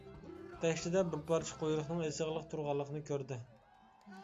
تەكچىدە بىر پارچە قۇيرۇقنىڭ ئېسىقلىق تۇرغانلىقىنى كۆردى.